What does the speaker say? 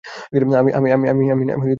আমি নাম জানি ওর।